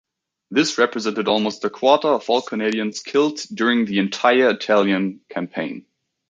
This represented almost a quarter of all Canadians killed during the entire Italian Campaign.